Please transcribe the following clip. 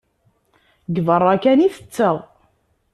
Deg berra kan i tetteɣ.